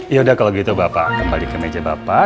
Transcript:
yaudah kalau gitu bapak kembali ke meja bapak